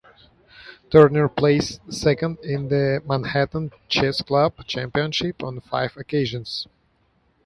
Turner placed second in the Manhattan Chess Club championship on five occasions.